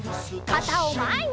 かたをまえに！